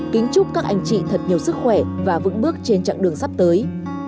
kính chúc các anh chị thật nhiều sức khỏe và vững bước trên chặng đường sắp tới